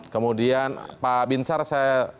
kemudian pak binsar saya